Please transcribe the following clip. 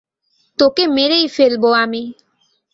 তোকে মেরেই ফেলব আমি!